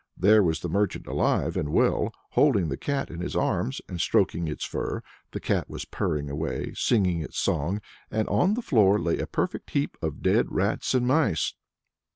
There was the merchant alive and well, holding the cat in his arms, and stroking its fur; the cat was purring away, singing its song, and on the floor lay a perfect heap of dead rats and mice!